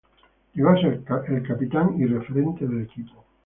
Llegó a ser el capitán y referente del equipo.